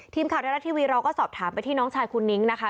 ทีมข่าวไทยรัฐทีวีเราก็สอบถามไปที่น้องชายคุณนิ้งนะคะ